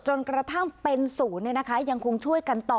จนกระทั่งเป็นศูนย์ยังคงช่วยกันต่อ